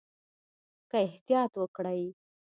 که احتیاط وکړئ